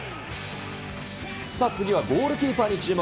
次はゴールキーパーに注目。